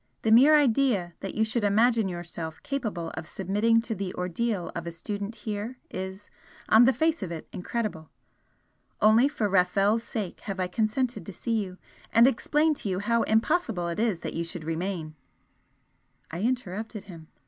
The mere idea that you should imagine yourself, capable of submitting to the ordeal of a student here is, on the face of it, incredible. Only for Rafel's sake have I consented to see you and explain to you how impossible it is that you should remain " I interrupted him.